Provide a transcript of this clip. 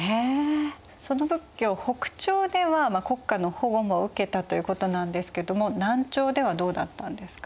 その仏教北朝では国家の保護も受けたということなんですけども南朝ではどうだったんですか？